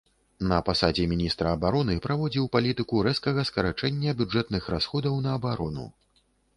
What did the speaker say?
На пасадзе міністра абароны праводзіў палітыку рэзкага скарачэння бюджэтных расходаў на абарону.